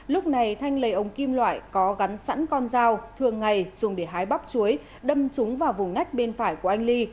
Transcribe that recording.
lúc này thanh lấy ống kim loại có gắn sẵn con dao thường ngày dùng để hái bắp chuối đâm trúng vào vùng nách bên phải của anh ly